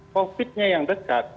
covid nya yang dekat